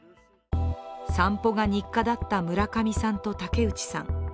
散歩が日課だった村上さんと竹内さん。